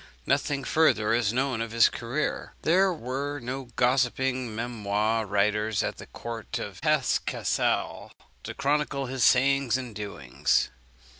Nothing further is known of his career. There were no gossipping memoir writers at the court of Hesse Cassel to chronicle his sayings and doings.